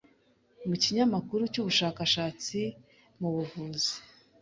mu kinyamakuru cy'ubushakashatsi mu buvuzi